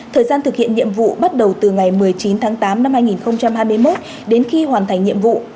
thời gian thực hiện nhiệm vụ bắt đầu từ ngày một mươi chín tháng tám năm hai nghìn hai mươi một đến khi hoàn thành nhiệm vụ